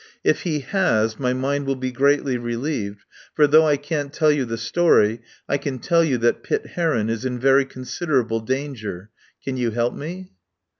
If he has, my mind will be greatly relieved, for, though I can't tell you the story, I can tell you that Pitt Heron is in very considerable danger. Can you help me?"